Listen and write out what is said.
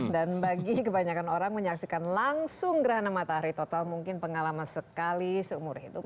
dan bagi kebanyakan orang menyaksikan langsung gerhana matahari total mungkin pengalaman sekali seumur hidup